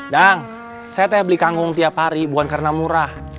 dang saya beli kangkung tiap hari bukan karena murah